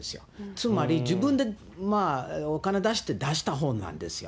つまり、自分でお金出して出した本なんですよ。